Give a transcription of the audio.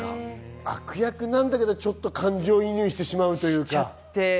悪役なんだけど、感情移入してしまうというかね。